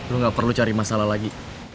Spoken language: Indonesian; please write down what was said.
lu gak perlu cari masalah lagi